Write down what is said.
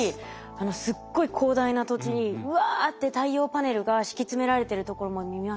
すっごい広大な土地にうわって太陽パネルが敷き詰められてるところも見ますし。